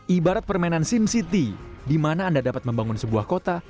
ibarat permainan sim city di mana anda dapat membangun sebuah kota